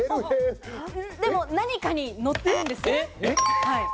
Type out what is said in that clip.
でも何かに乗ってるんです。